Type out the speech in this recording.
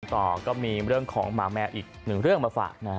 ต่อก็มีเรื่องของหมาแมวอีกหนึ่งเรื่องมาฝากนะฮะ